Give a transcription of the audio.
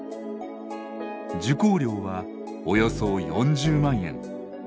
受講料はおよそ４０万円。